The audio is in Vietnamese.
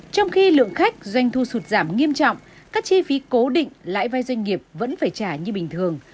trong khi lượng khách doanh thu sụt giảm nghiêm trọng các chi phí cố định lãi vai doanh nghiệp vẫn phải trả như bình thường